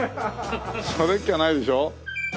それっきゃないでしょ？